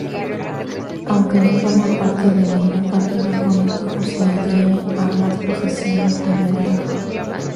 Aunque no forma parte de ningún partido político, se adhiere a las posiciones liberales.